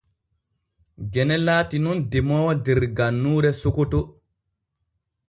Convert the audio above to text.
Gene laati nun demoowo der gannuure Sokoto.